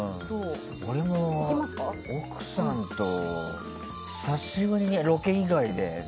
俺も奥さんと久しぶりにロケ以外で。